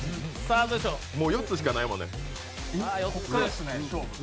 もう４つしかないもんね。